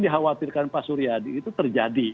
dikhawatirkan pak suryadi itu terjadi